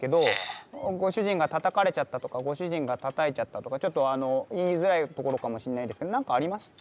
ご主人がたたかれちゃったとかご主人がたたいちゃったとかちょっとあの言いづらいところかもしんないですけど何かありました？